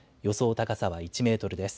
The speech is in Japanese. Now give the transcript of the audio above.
高さは１メートルです。